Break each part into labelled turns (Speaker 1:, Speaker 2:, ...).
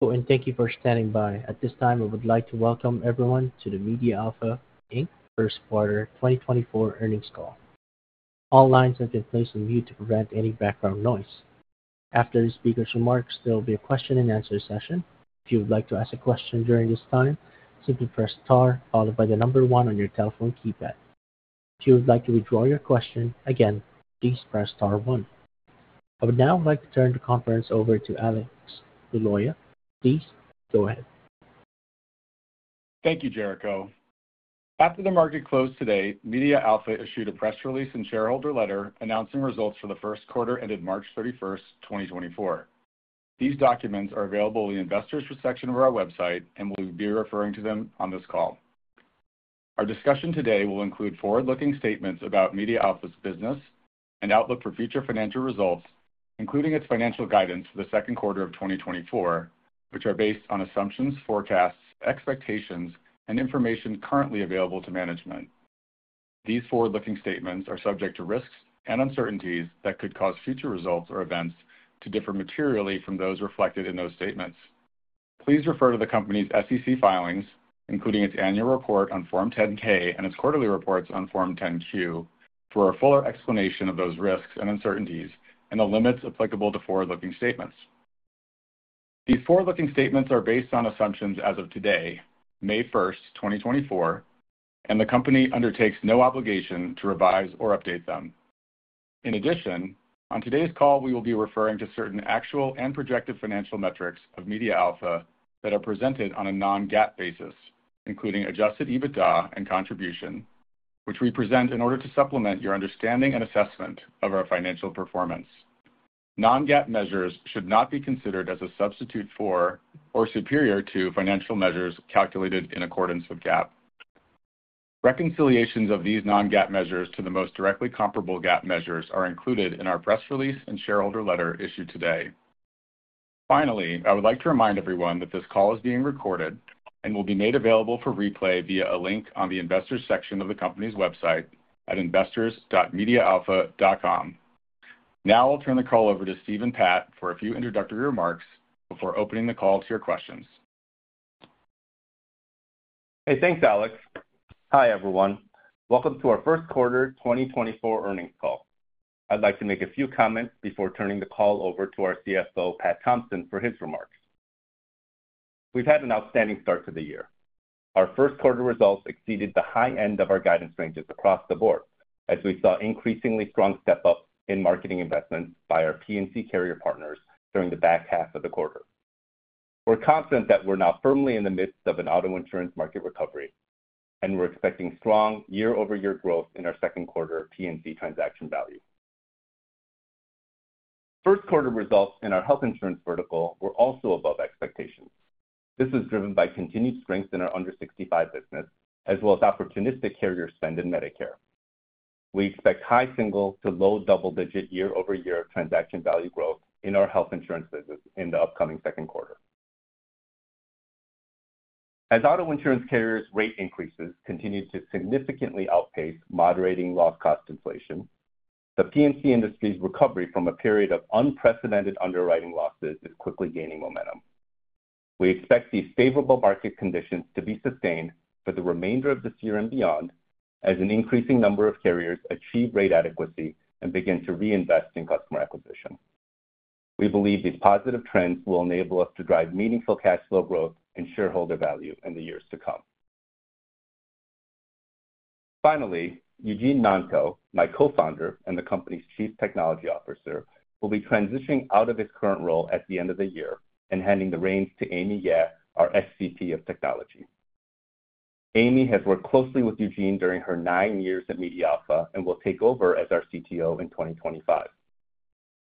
Speaker 1: Hello, and thank you for standing by. At this time, I would like to welcome everyone to the MediaAlpha, Inc. First Quarter 2024 Earnings Call. All lines have been placed on mute to prevent any background noise. After the speaker's remarks, there will be a question-and-answer session. If you would like to ask a question during this time, simply press Star followed by the number one on your telephone keypad. If you would like to withdraw your question, again, please press Star one. I would now like to turn the conference over to Alex Liloia. Please go ahead.
Speaker 2: Thank you, Jericho. After the market closed today, MediaAlpha issued a press release and shareholder letter announcing results for the first quarter ended March 31, 2024. These documents are available in the Investors section of our website, and we'll be referring to them on this call. Our discussion today will include forward-looking statements about MediaAlpha's business and outlook for future financial results, including its financial guidance for the second quarter of 2024, which are based on assumptions, forecasts, expectations, and information currently available to management. These forward-looking statements are subject to risks and uncertainties that could cause future results or events to differ materially from those reflected in those statements. Please refer to the company's SEC filings, including its annual report on Form 10-K and its quarterly reports on Form 10-Q, for a fuller explanation of those risks and uncertainties and the limits applicable to forward-looking statements. These forward-looking statements are based on assumptions as of today, May 1, 2024, and the company undertakes no obligation to revise or update them. In addition, on today's call, we will be referring to certain actual and projected financial metrics of MediaAlpha that are presented on a non-GAAP basis, including Adjusted EBITDA and Contribution, which we present in order to supplement your understanding and assessment of our financial performance. Non-GAAP measures should not be considered as a substitute for or superior to financial measures calculated in accordance with GAAP. Reconciliations of these non-GAAP measures to the most directly comparable GAAP measures are included in our press release and shareholder letter issued today. Finally, I would like to remind everyone that this call is being recorded and will be made available for replay via a link on the Investors section of the company's website at investors.mediaalpha.com. Now I'll turn the call over to Steve and Pat for a few introductory remarks before opening the call to your questions.
Speaker 3: Hey, thanks, Alex. Hi, everyone. Welcome to our First Quarter 2024 Earnings Call. I'd like to make a few comments before turning the call over to our CFO, Pat Thompson, for his remarks. We've had an outstanding start to the year. Our first quarter results exceeded the high end of our guidance ranges across the board, as we saw increasingly strong step-ups in marketing investments by our P&C carrier partners during the back half of the quarter. We're confident that we're now firmly in the midst of an auto insurance market recovery, and we're expecting strong year-over-year growth in our second quarter P&C transaction value. First quarter results in our health insurance vertical were also above expectations. This is driven by continued strength in our under 65 business, as well as opportunistic carrier spend in Medicare. We expect high single- to low double-digit year-over-year transaction value growth in our health insurance business in the upcoming second quarter. As auto insurance carriers' rate increases continue to significantly outpace moderating loss cost inflation, the P&C industry's recovery from a period of unprecedented underwriting losses is quickly gaining momentum. We expect these favorable market conditions to be sustained for the remainder of this year and beyond, as an increasing number of carriers achieve rate adequacy and begin to reinvest in customer acquisition. We believe these positive trends will enable us to drive meaningful cash flow growth and shareholder value in the years to come. Finally, Eugene Nonko, my co-founder and the company's Chief Technology Officer, will be transitioning out of his current role at the end of the year and handing the reins to Amy Yeh, our SVP of Technology. Amy has worked closely with Eugene during her nine years at MediaAlpha and will take over as our CTO in 2025.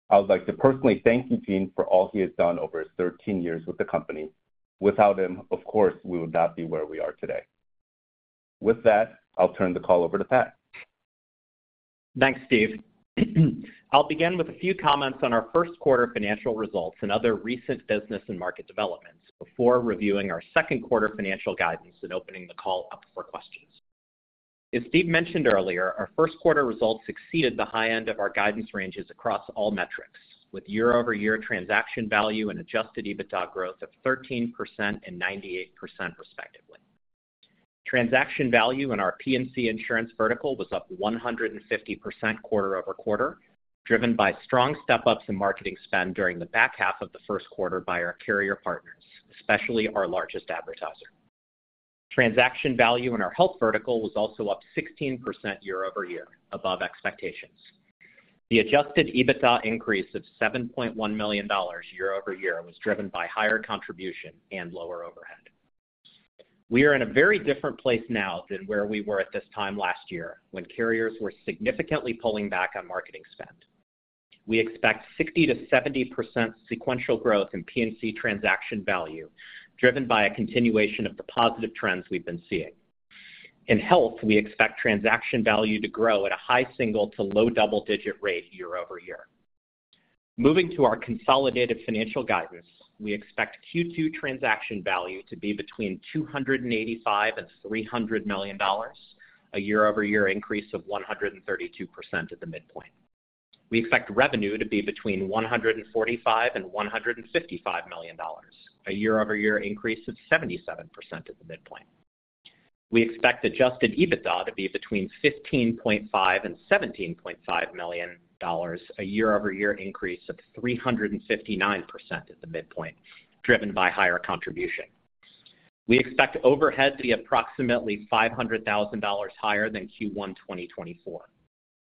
Speaker 3: I would like to personally thank Eugene for all he has done over his 13 years with the company. Without him, of course, we would not be where we are today. With that, I'll turn the call over to Pat.
Speaker 4: Thanks, Steve. I'll begin with a few comments on our first quarter financial results and other recent business and market developments before reviewing our second quarter financial guidance and opening the call up for questions. As Steve mentioned earlier, our first quarter results exceeded the high end of our guidance ranges across all metrics, with year-over-year transaction value and Adjusted EBITDA growth of 13% and 98%, respectively. Transaction value in our P&C insurance vertical was up 150% quarter-over-quarter, driven by strong step-ups in marketing spend during the back half of the first quarter by our carrier partners, especially our largest advertiser. Transaction value in our health vertical was also up 16% year-over-year, above expectations. The Adjusted EBITDA increase of $7.1 million year-over-year was driven by higher contribution and lower overhead. We are in a very different place now than where we were at this time last year when carriers were significantly pulling back on marketing spend. We expect 60%-70% sequential growth in P&C transaction value, driven by a continuation of the positive trends we've been seeing. In health, we expect transaction value to grow at a high single to low double-digit rate year-over-year. Moving to our consolidated financial guidance, we expect Q2 transaction value to be between $285 million and $300 million, a year-over-year increase of 132% at the midpoint. We expect revenue to be between $145 million and $155 million, a 77% year-over-year increase at the midpoint. We expect Adjusted EBITDA to be between $15.5 million and $17.5 million, a 359% year-over-year increase at the midpoint, driven by higher contribution. We expect overhead to be approximately $500,000 higher than Q1 2024.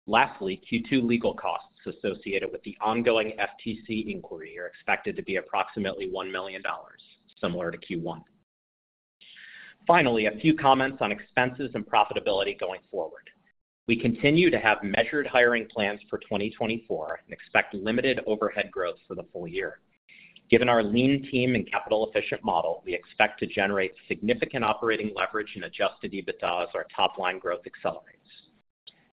Speaker 4: Lastly, Q2 legal costs associated with the ongoing FTC inquiry are expected to be approximately $1 million, similar to Q1. Finally, a few comments on expenses and profitability going forward. We continue to have measured hiring plans for 2024 and expect limited overhead growth for the full year. Given our lean team and capital-efficient model, we expect to generate significant operating leverage and Adjusted EBITDA as our top line growth accelerates.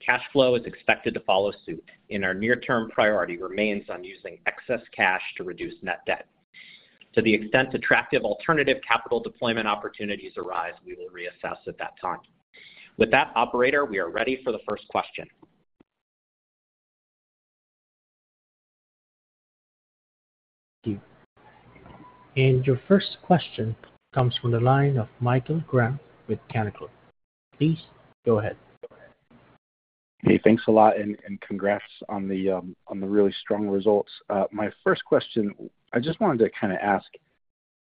Speaker 4: Cash flow is expected to follow suit, and our near-term priority remains on using excess cash to reduce net debt. To the extent attractive alternative capital deployment opportunities arise, we will reassess at that time. With that, operator, we are ready for the first question.
Speaker 1: Thank you. Your first question comes from the line of Michael Graham with Canaccord. Please go ahead.
Speaker 5: Hey, thanks a lot, and, and congrats on the, on the really strong results. My first question, I just wanted to kind of ask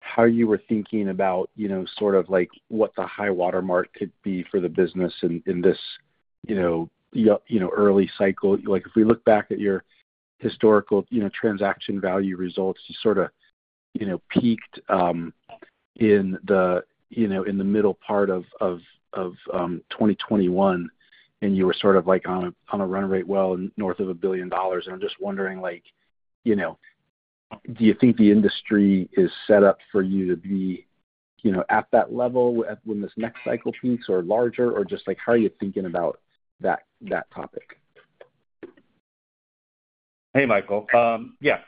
Speaker 5: how you were thinking about what the high-water mark could be for the business in this early cycle. Like, if we look back at your historical transaction value results, you peaked in the middle part of 2021, and you were sort of like on a run rate well north of $1 billion. And I'm just wondering, do you think the industry is set up for you to be at that level when this next cycle peaks or larger? Or just like, how are you thinking about that topic?
Speaker 3: Hey, Michael. Yeah,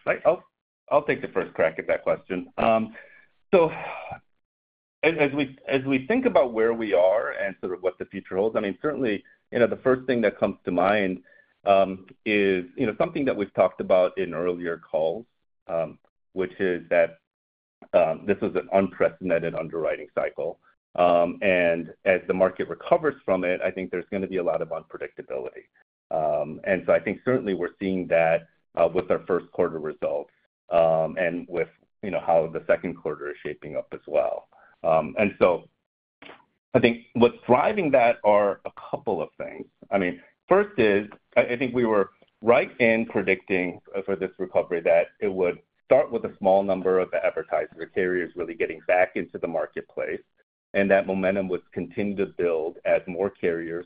Speaker 3: I'll take the first crack at that question. So as we think about where we are and sort of what the future holds, I mean, certainly the first thing that comes to mind is something that we've talked about in earlier calls, which is that this is an unprecedented underwriting cycle. And as the market recovers from it, I think there's gonna be a lot of unpredictability. And so I think certainly we're seeing that with our first quarter results and with how the second quarter is shaping up as well. And so I think what's driving that are a couple of things. I mean, first is, I think we were right in predicting for this recovery that it would start with a small number of advertisers or carriers really getting back into the marketplace, and that momentum would continue to build as more carriers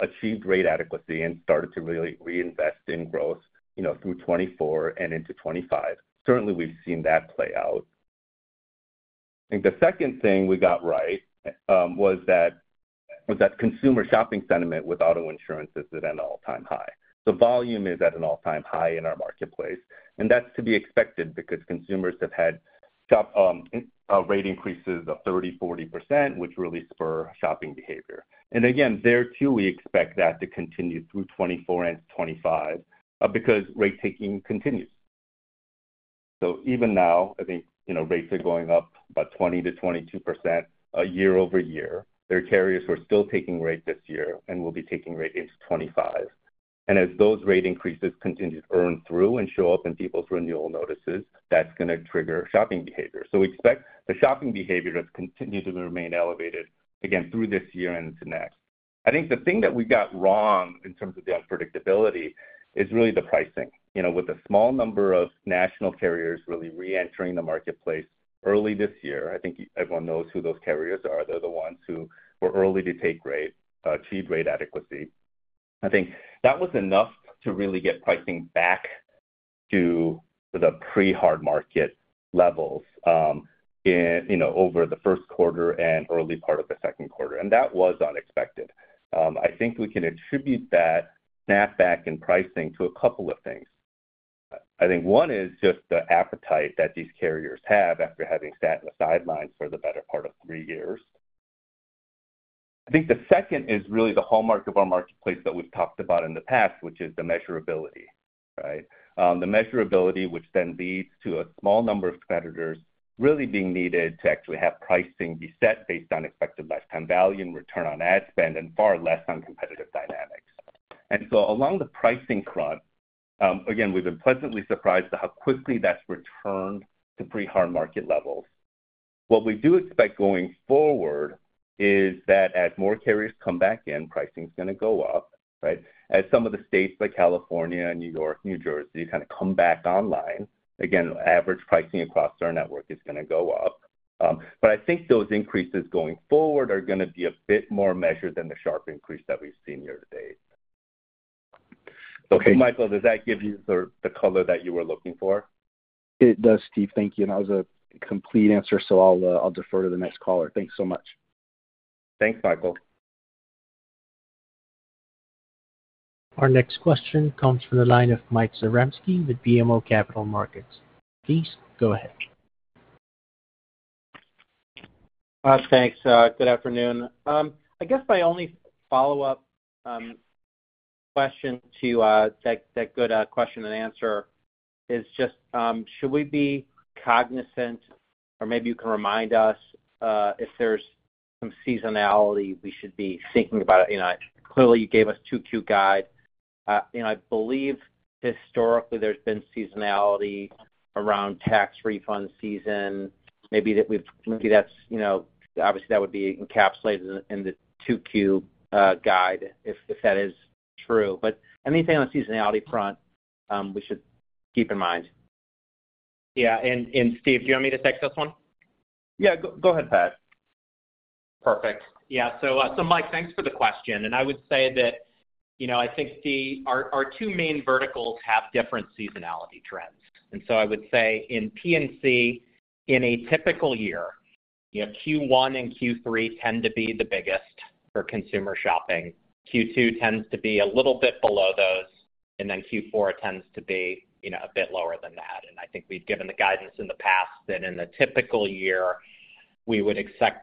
Speaker 3: achieved rate adequacy and started to really reinvest in growth through 2024 and into 2025. Certainly, we've seen that play out. I think the second thing we got right was that consumer shopping sentiment with auto insurance is at an all-time high. The volume is at an all-time high in our marketplace, and that's to be expected because consumers have had sharp rate increases of 30-40%, which really spur shopping behavior. And again, there, too, we expect that to continue through 2024 and 2025 because rate hiking continues. So even now, I think, you know, rates are going up about 20%-22% year-over-year. There are carriers who are still taking rate this year and will be taking rate into 2025. And as those rate increases continue to earn through and show up in people's renewal notices, that's gonna trigger shopping behavior. So we expect the shopping behavior to continue to remain elevated, again, through this year and into next. I think the thing that we got wrong in terms of the unpredictability is really the pricing. You know, with a small number of national carriers really reentering the marketplace early this year, I think everyone knows who those carriers are. They're the ones who were early to take rate, achieve rate adequacy. I think that was enough to really get pricing back to the pre-hard market levels, in over the first quarter and early part of the second quarter, and that was unexpected. I think we can attribute that snapback in pricing to a couple of things. I think one is just the appetite that these carriers have after having sat in the sidelines for the better part of three years. I think the second is really the hallmark of our marketplace that we've talked about in the past, which is the measurability, right? The measurability, which then leads to a small number of competitors really being needed to actually have pricing be set based on expected lifetime value and return on ad spend, and far less on competitive dynamics. And so along the pricing front, again, we've been pleasantly surprised at how quickly that's returned to pre-hard market levels. What we do expect going forward is that as more carriers come back in, pricing is gonna go up, right? As some of the states like California, and New York, New Jersey, kind of come back online, again, average pricing across our network is gonna go up. But I think those increases going forward are gonna be a bit more measured than the sharp increase that we've seen year to date. Okay, Michael, does that give you the color that you were looking for?
Speaker 5: It does, Steve. Thank you. And that was a complete answer, so I'll, I'll defer to the next caller. Thanks so much.
Speaker 3: Thanks, Michael.
Speaker 1: Our next question comes from the line of Mike Zaremski with BMO Capital Markets. Please go ahead.
Speaker 6: Thanks. Good afternoon. I guess my only follow-up question to that good question and answer is just should we be cognizant, or maybe you can remind us if there's some seasonality we should be thinking about? You know, clearly, you gave us 2Q guide. You know, I believe historically there's been seasonality around tax refund season, maybe that would be encapsulated in the 2Q guide, if that is true. But anything on the seasonality front, we should keep in mind?
Speaker 4: Yeah, and Steve, do you want me to take this one?
Speaker 3: Yeah. Go, go ahead, Pat.
Speaker 4: Perfect. Yeah, so, so Mike, thanks for the question, and I would say that our two main verticals have different seasonality trends. And so I would say in P&C, in a typical year Q1 and Q3 tend to be the biggest for consumer shopping. Q2 tends to be a little bit below those, and then Q4 tends to be a bit lower than that. And I think we've given the guidance in the past that in a typical year, we would expect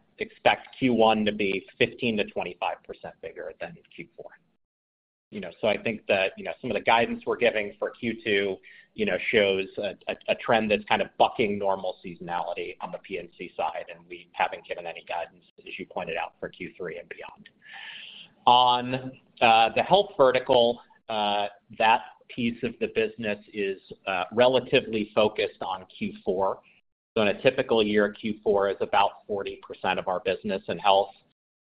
Speaker 4: Q1 to be 15%-25% bigger than Q4. Some of the guidance we're giving for Q2 shows a trend that's kind of bucking normal seasonality on the P&C side, and we haven't given any guidance, as you pointed out, for Q3 and beyond. On the health vertical, that piece of the business is relatively focused on Q4. So in a typical year, Q4 is about 40% of our business in health.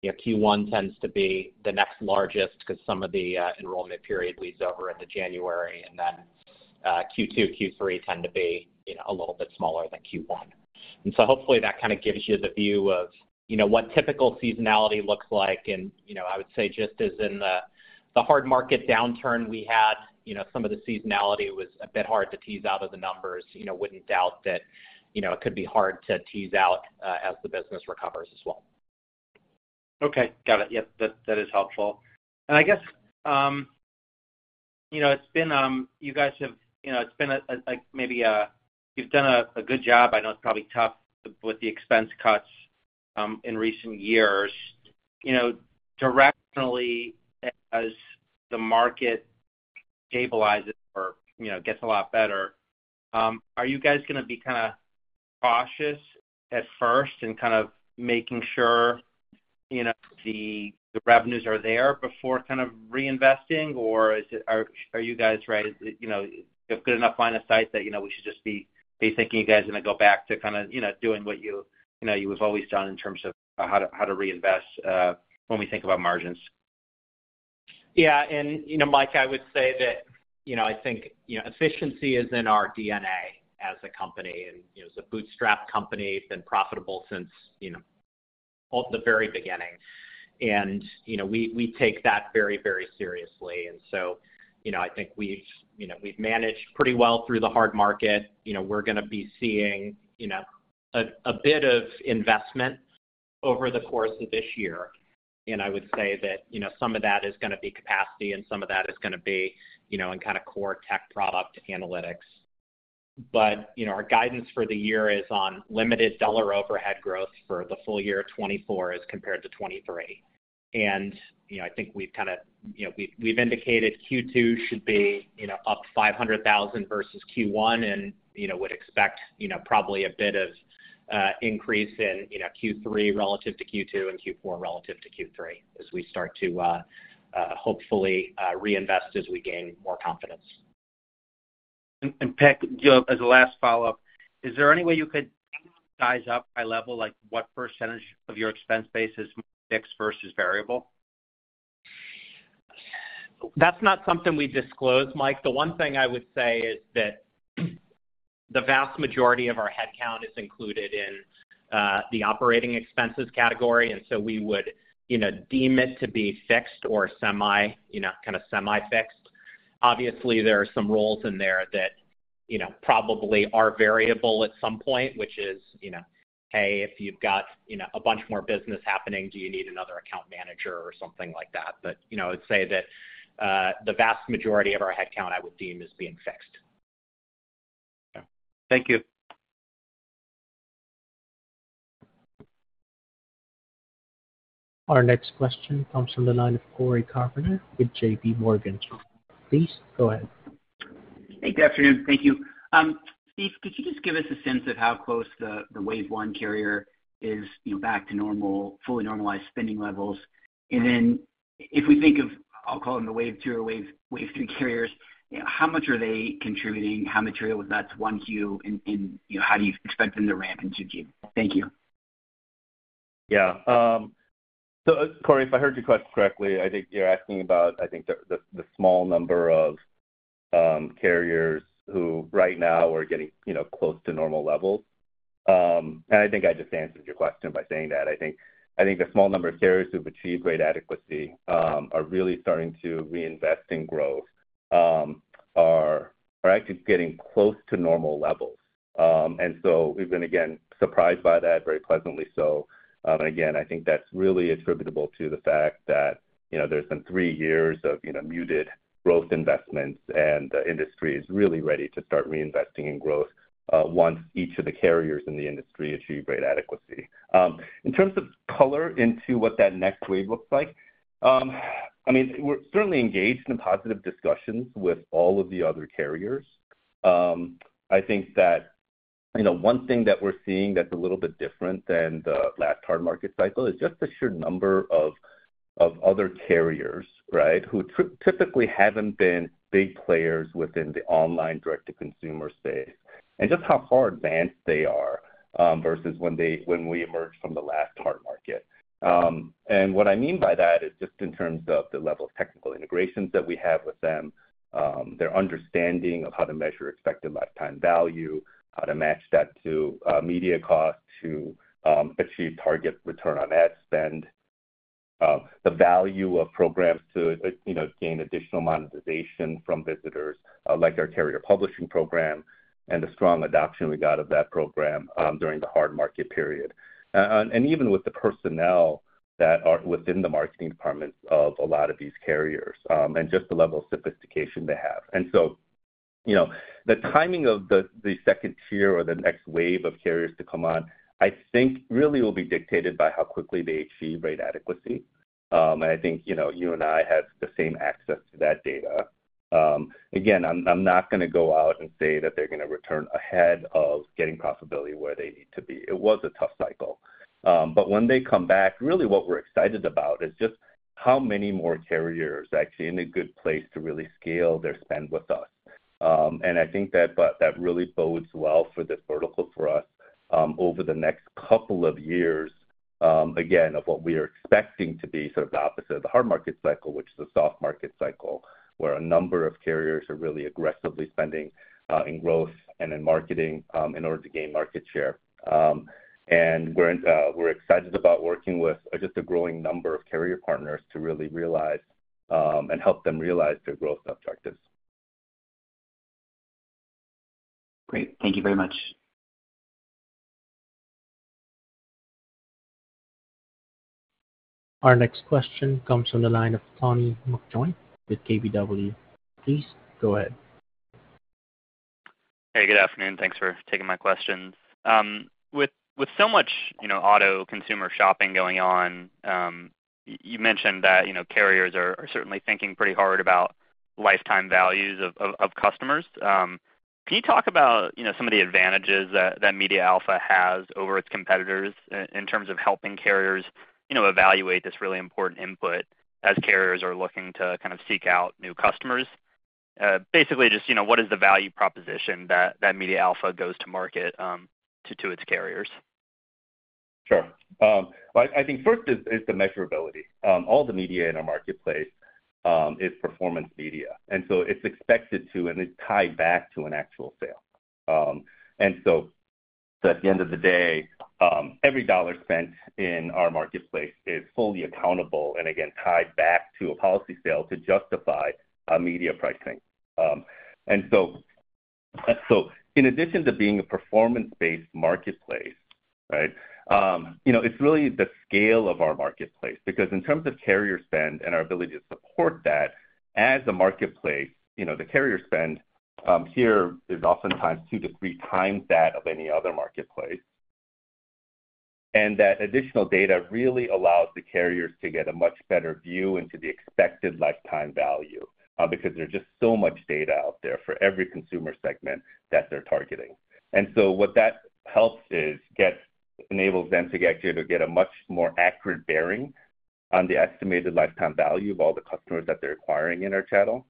Speaker 4: You know, Q1 tends to be the next largest because some of the enrollment period bleeds over into January, and then Q2, Q3 tend to be a little bit smaller than Q1. And so hopefully that kind of gives you the view of what typical seasonality looks like. You know, I would say just as in the hard market downturn we had some of the seasonality was a bit hard to tease out of the numbers. You know, wouldn't doubt that it could be hard to tease out as the business recovers as well.
Speaker 6: Okay, got it. Yep, that is helpful. You've done a good job, I know it's probably tough, with the expense cuts, in recent years. Directionally, as the market stabilizes or gets a lot better, are you guys gonna be kinda cautious at first in kind of making sure the revenues are there before kind of reinvesting? Or is it-- are you guys right a good enough line of sight that we should just be thinking you guys are gonna go back to kinda doing what you have always done in terms of, how to reinvest, when we think about margins?
Speaker 4: Mike, I would say that efficiency is in our DNA as a company. As a bootstrap company, been profitable since all the very beginning. We take that very, very seriously. We've managed pretty well through the hard market. We're gonna be seeing a bit of investment over the course of this year. And I would say that, some of that is gonna be capacity, and some of that is gonna be core tech, product analytics. Our guidance for the year is on limited dollar overhead growth for the full year 2024, as compared to 2023. You know, we've, we've indicated Q2 should be up $500,000 versus Q1, and would expect probably a bit of increase in Q3 relative to Q2 and Q4 relative to Q3 as we start to hopefully reinvest as we gain more confidence.
Speaker 6: Pat as a last follow-up, is there any way you could size up by level, like, what percentage of your expense base is fixed versus variable?
Speaker 4: That's not something we disclose, Mike. The one thing I would say is that, the vast majority of our headcount is included in the operating expenses category, and so we would deem it to be fixed or semi kind of semi-fixed. Obviously, there are some roles in there that probably are variable at some point, which is hey, if you've got a bunch more business happening, do you need another account manager or something like that? But I'd say that, the vast majority of our headcount, I would deem as being fixed.
Speaker 6: Thank you.
Speaker 1: Our next question comes from the line of Cory Carpenter with J.P. Morgan. Please go ahead.
Speaker 7: Hey, good afternoon. Thank you. Steve, could you just give us a sense of how close the wave one carrier is back to normal, fully normalized spending levels? And then if we think of, I'll call them the wave two or wave three carriers how much are they contributing? How material is that to 1Q? How do you expect them to ramp in 2Q? Thank you.
Speaker 3: Yeah. So Cory, if I heard your question correctly, I think you're asking about he small number of carriers who right now are getting close to normal levels. And I think I just answered your question by saying that. I think the small number of carriers who've achieved rate adequacy are really starting to reinvest in growth are actually getting close to normal levels. And so we've been, again, surprised by that, very pleasantly so. And again, I think that's really attributable to the fact that there's been three years of muted growth investments, and the industry is really ready to start reinvesting in growth once each of the carriers in the industry achieve rate adequacy. In terms of color into what that next wave looks like, I mean, we're certainly engaged in positive discussions with all of the other carriers. I think that, you know, one thing that we're seeing that's a little bit different than the last hard market cycle is just the sheer number of other carriers, right? Who typically haven't been big players within the online direct-to-consumer space, and just how far advanced they are, versus when we emerged from the last hard market. And what I mean by that is just in terms of the level of technical integrations that we have with them, their understanding of how to measure expected lifetime value, how to match that to media costs, to achieve target return on ad spend, the value of programs to, you know, gain additional monetization from visitors, like our Carrier Publishing Program, and the strong adoption we got of that program during the hard market period. And even with the personnel that are within the marketing departments of a lot of these carriers, and just the level of sophistication they have. The timing of the second tier or the next wave of carriers to come on, I think, really will be dictated by how quickly they achieve rate adequacy. And I think, you know, you and I have the same access to that data. Again, I'm not gonna go out and say that they're gonna return ahead of getting profitability where they need to be. It was a tough cycle. But when they come back, really what we're excited about is just how many more carriers are actually in a good place to really scale their spend with us. And I think that, but that really bodes well for this vertical for us, over the next couple of years, again, of what we are expecting to be sort of the opposite of the hard market cycle, which is a soft market cycle, where a number of carriers are really aggressively spending in growth and in marketing, in order to gain market share. And we're excited about working with just a growing number of carrier partners to really realize and help them realize their growth objectives. Great. Thank you very much.
Speaker 1: Our next question comes from the line of Tommy McJoynt with KBW. Please go ahead.
Speaker 8: Hey, good afternoon. Thanks for taking my questions. With so much, you know, auto consumer shopping going on, you mentioned that, you know, carriers are certainly thinking pretty hard about lifetime values of customers. Can you talk about, you know, some of the advantages that MediaAlpha has over its competitors in terms of helping carriers, you know, evaluate this really important input as carriers are looking to kind of seek out new customers? Basically, just, you know, what is the value proposition that MediaAlpha goes to market to its carriers?
Speaker 3: Sure. I think first is the measurability. All the media in our marketplace is performance media, and so it's expected to, and it's tied back to an actual sale. And so at the end of the day, every dollar spent in our marketplace is fully accountable and again, tied back to a policy sale to justify media pricing. And so in addition to being a performance-based marketplace, right? You know, it's really the scale of our marketplace, because in terms of carrier spend and our ability to support that, as a marketplace, you know, the carrier spend here is oftentimes 2x-3x that of any other marketplace. That additional data really allows the carriers to get a much better view into the expected lifetime value, because there's just so much data out there for every consumer segment that they're targeting. So what that helps is, enables them to actually to get a much more accurate bearing on the estimated lifetime value of all the customers that they're acquiring in our channel.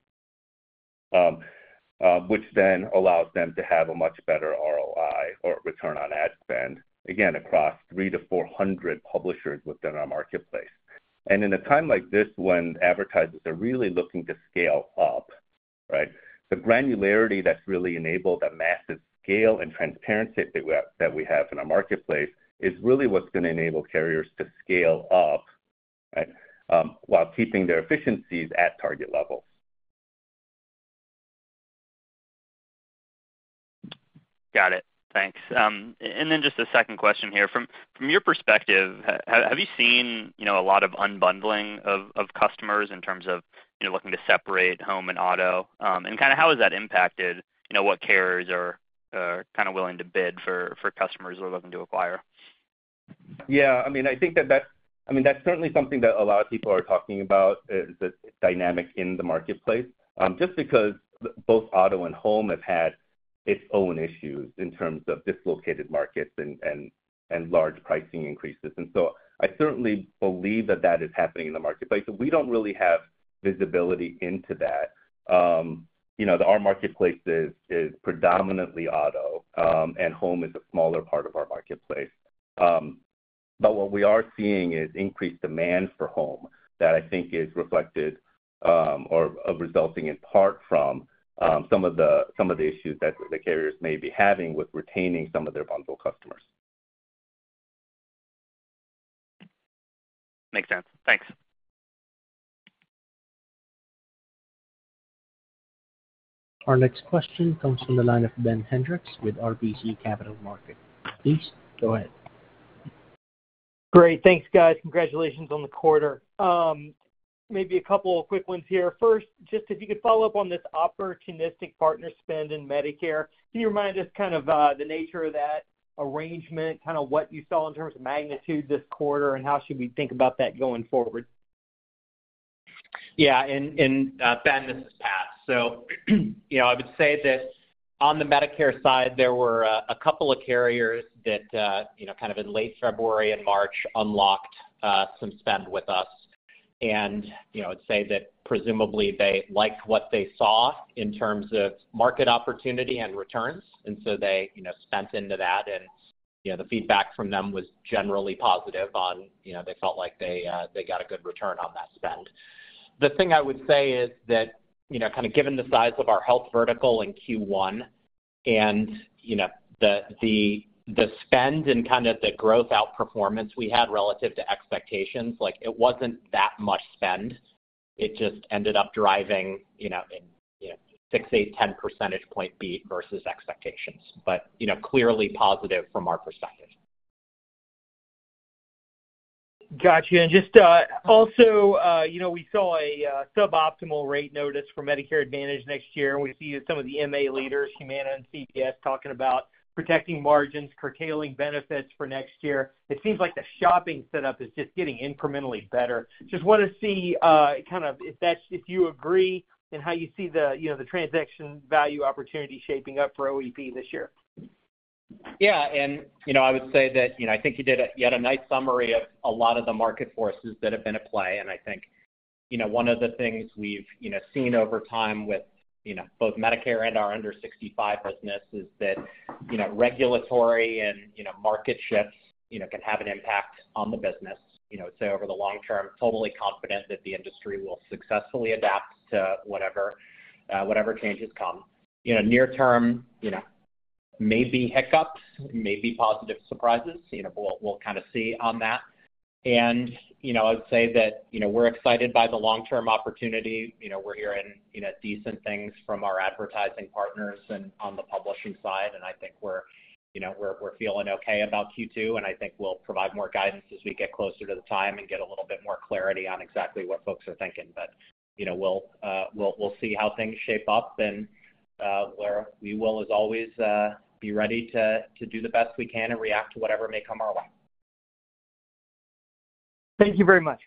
Speaker 3: Which then allows them to have a much better ROI or return on ad spend, again, across 300-400 publishers within our marketplace. In a time like this, when advertisers are really looking to scale up, right? The granularity that's really enabled, the massive scale and transparency that we have, that we have in our marketplace, is really what's gonna enable carriers to scale up, right, while keeping their efficiencies at target levels.
Speaker 8: Got it. Thanks. And then just a second question here: From your perspective, have you seen a lot of unbundling of customers in terms of, you know, looking to separate home and auto? And kind of how has that impacted, you know, what carriers are kind of willing to bid for customers who are looking to acquire?
Speaker 3: That's certainly something that a lot of people are talking about, the dynamic in the marketplace. Just because both auto and home have had its own issues in terms of dislocated markets and large pricing increases. And so I certainly believe that is happening in the marketplace. We don't really have visibility into that. You know, our marketplace is predominantly auto, and home is a smaller part of our marketplace. But what we are seeing is increased demand for home, that I think is reflected or resulting in part from some of the issues that the carriers may be having with retaining some of their bundled customers.
Speaker 8: Makes sense. Thanks.
Speaker 1: Our next question comes from the line of Ben Hendrix with RBC Capital Markets. Please go ahead.
Speaker 9: Great. Thanks, guys. Congratulations on the quarter. Maybe a couple of quick ones here. First, just if you could follow up on this opportunistic partner spend in Medicare. Can you remind us kind of, the nature of that arrangement, kinda what you saw in terms of magnitude this quarter, and how should we think about that going forward?
Speaker 4: And Ben, this is Pat. I would say that on the Medicare side, there were a couple of carriers that kind of in late February and March unlocked some spend with us. I'd say that presumably they liked what they saw in terms of market opportunity and returns, and so they spent into that, and the feedback from them was generally positive on they felt like they got a good return on that spend. The thing I would say is that kind of given the size of our health vertical in Q1 and the spend and kind of the growth outperformance we had relative to expectations, like, it wasn't that much spend. It just ended up driving 6, 8, 10 percentage point beat versus expectations, but clearly positive from our perspective.
Speaker 9: Gotcha. We saw a suboptimal rate notice for Medicare Advantage next year, and we see some of the MA leaders, Humana and CVS, talking about protecting margins, curtailing benefits for next year. It seems like the shopping setup is just getting incrementally better. Just want to see, kind of if that's—if you agree, and how you see the, you know, the transaction value opportunity shaping up for OEP this year.
Speaker 4: I would say that you had a nice summary of a lot of the market forces that have been at play. One of the things we've seen over time with both Medicare and our under-65 business is that regulatory and market shifts an have an impact on the business. Over the long term, totally confident that the industry will successfully adapt to whatever changes come. You know, near term may be hiccups, may be positive surprises. You know, we'll, we'll kind of see on that. I would say that we're excited by the long-term opportunity. You know, we're hearing, you know, decent things from our advertising partners and on the publishing side, and I think we're, you know, feeling okay about Q2, and I think we'll provide more guidance as we get closer to the time and get a little bit more clarity on exactly what folks are thinking. But, you know, we'll see how things shape up, and we're we will, as always, be ready to do the best we can and react to whatever may come our way.
Speaker 9: Thank you very much.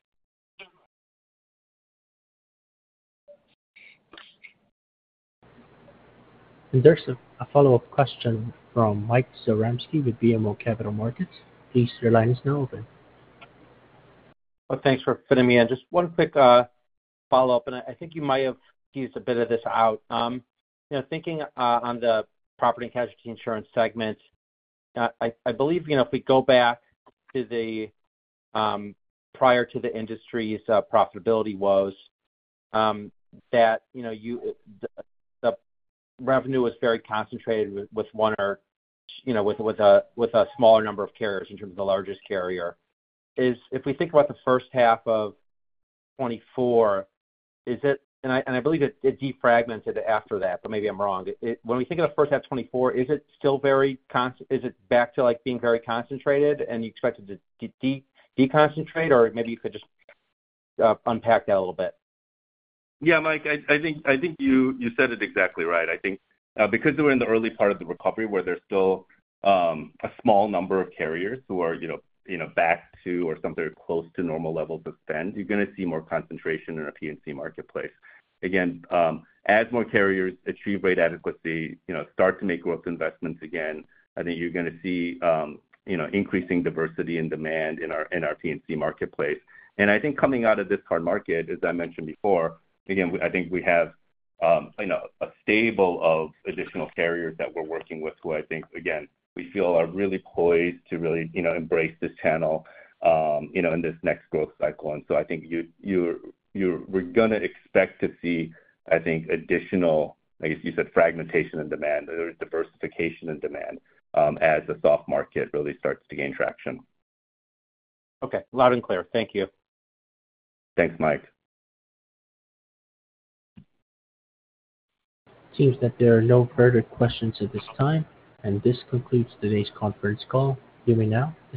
Speaker 1: There's a follow-up question from Mike Zaremski with BMO Capital Markets. Please, your line is now open.
Speaker 6: Well, thanks for fitting me in. Just one quick follow-up, and I think you might have teased a bit of this out. You know, thinking on the property and casualty insurance segment, I, I believe, you know, if we go back to the prior to the industry's profitability woes, that, you know, you, the, the revenue was very concentrated with, with one or, you know, with, with a, with a smaller number of carriers in terms of the largest carrier. If we think about the first half of 2024, is it. And I, and I believe it, it defragmented after that, but maybe I'm wrong. When we think about the first half of 2024, is it still very concentrated, is it back to, like, being very concentrated, and you expect it to deconcentrate, or maybe you could just unpack that a little bit?
Speaker 3: Yeah, Mike, I think you said it exactly right. I think because we're in the early part of the recovery, where there's still a small number of carriers who are you know back to or something close to normal levels of spend, you're gonna see more concentration in our P&C marketplace. Again, as more carriers achieve rate adequacy, you know, start to make growth investments again, I think you're gonna see you know increasing diversity and demand in our P&C marketplace. And I think coming out of this current market, as I mentioned before, again, we I think we have you know a stable of additional carriers that we're working with who I think again we feel are really poised to really you know embrace this channel you know in this next growth cycle. And so I think we're gonna expect to see, I think, additional, I guess you said, fragmentation and demand or diversification and demand, as the soft market really starts to gain traction.
Speaker 6: Okay. Loud and clear. Thank you.
Speaker 3: Thanks, Mike.
Speaker 1: Seems that there are no further questions at this time, and this concludes today's conference call. You may now disconnect.